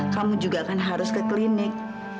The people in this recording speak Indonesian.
kamu juga kan harus ke klinik